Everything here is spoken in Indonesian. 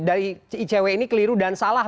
dari icw ini keliru dan salah